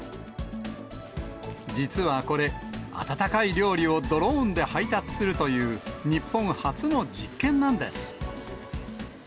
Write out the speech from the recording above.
実はこれ、温かい料理をドローンで配達するという、日本初の実験なんです。